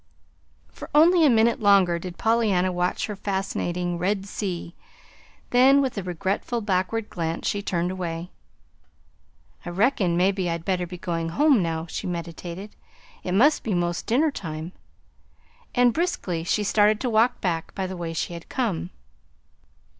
For only a minute longer did Pollyanna watch her fascinating "Red Sea," then, with a regretful backward glance, she turned away. "I reckon maybe I'd better be going home now," she meditated. "It must be 'most dinner time." And briskly she started to walk back by the way she had come.